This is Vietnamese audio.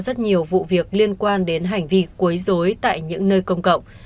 cuối dối được hiểu là một vụ việc liên quan đến hành vi cuối dối tại những nơi công cộng